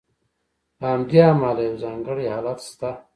له همدې امله یو ځانګړی حالت شته.